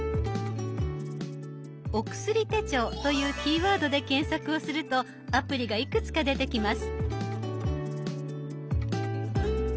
「お薬手帳」というキーワードで検索をするとアプリがいくつか出てきます。